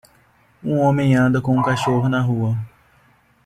um homem anda com o cachorro na rua.